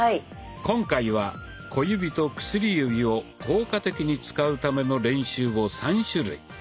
今回は小指と薬指を効果的に使うための練習を３種類。